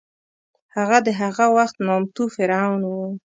هغه د هغه وخت نامتو فرعون و.